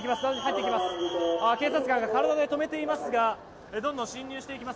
警察官が体で止めていますがどんどん侵入していきます。